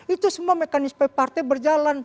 itu semua mekanisme partai berjalan